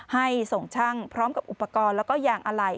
ให้ส่งช่างพร้อมกับอุปกรณ์แล้วก็ยางอะไหล่